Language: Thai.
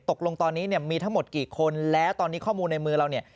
ตกลงตอนนี้เนี่ยมีทั้งหมดกี่คนแล้วตอนนี้ข้อมูลในมือเราเนี่ย